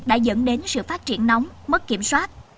đã dẫn đến sự phát triển nóng mất kiểm soát